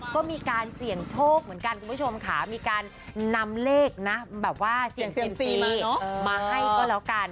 ก็มีการเสี่ยงโชคเหมือนกันคุณผู้ชมค่ะมีการนำเลขนะแบบว่าเสี่ยงเซียมซีมาให้ก็แล้วกัน